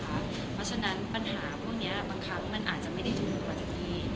เพราะฉะนั้นปัญหาพวกนี้บางครั้งมันอาจจะไม่ได้ถูกลุกมาจากที่